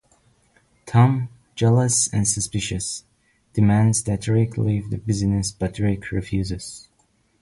Tom, jealous and suspicious, demands that Rick leave the business but Rick refuses.